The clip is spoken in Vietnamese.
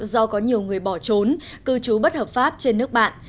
do có nhiều người bỏ trốn cư trú bất hợp pháp trên nước bạn